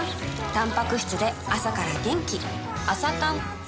たんぱく質で朝から元気